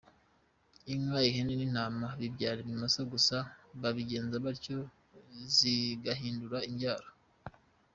Inka ,ihene n’intama bibyara ibimasa gusa babigenza batyo zigahindura imbyaro.